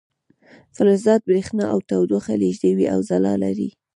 فلزات بریښنا او تودوخه لیږدوي او ځلا لري.